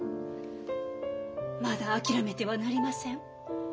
まだ諦めてはなりません。